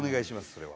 それは。